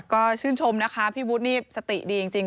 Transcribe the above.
ก็ชื่นชมนะคะพี่วุฒินี่สติดีจริง